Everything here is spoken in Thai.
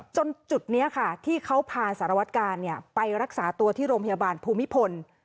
จนจุดที่เขาพาสารวัตการณ์ไปรักษารับปริบาลภูมิพล